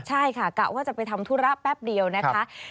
ใช่ค่ะกะว่าจะไปทำธุระแป๊บเดียวนะคะ